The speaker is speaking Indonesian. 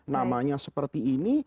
namanya seperti ini